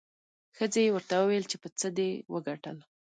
ښځې یې ورته وویل چې په څه دې وګټل؟